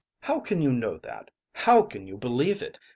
How can you know that? How can you believe it?